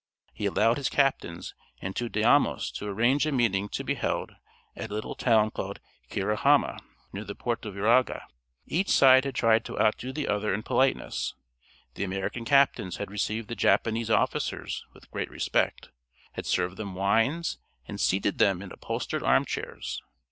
He allowed his captains and two daimios to arrange a meeting to be held at a little town called Kurihâma, near the port of Uraga. Each side had tried to outdo the other in politeness. The American captains had received the Japanese officers with great respect, had served them wines, and seated them in upholstered armchairs.